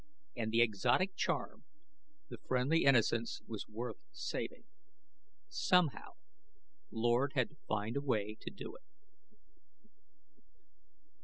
And the exotic charm, the friendly innocence was worth saving. Somehow Lord had to find a way to do it.